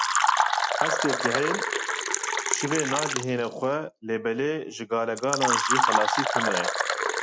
Hespê kihêl şivê nagihine xwe lêbelê ji galegalan jî xilasî tune ye.